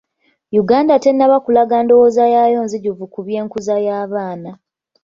Yuganda tennaba kulaga ndowooza yaayo nzijuvu ku by'enkuza y'abaana.